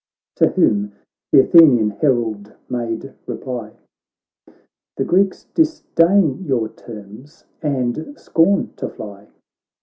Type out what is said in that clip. To whom th' Athenian herald made reply :' The Greeks disdain your terms, and scorn to fly.